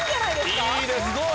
いいです！